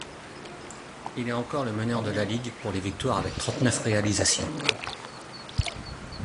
Il est encore le meneur de la ligue pour les victoires avec trente-neuf réalisations.